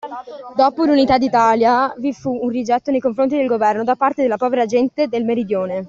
Dopo l’unità d’Italia vi fu un rigetto nei confronti del governo da parte della povera gente del meridione.